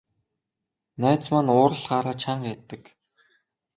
Найз маань уурлахаараа чанга ярьдаг.